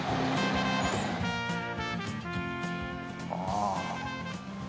ああ。